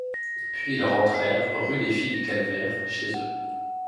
Puis ils rentrèrent rue des Filles-du-Calvaire, chez eux.